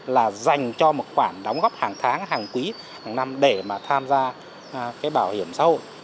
là dành cho một khoản đóng góp hàng tháng hàng quý hàng năm để mà tham gia cái bảo hiểm xã hội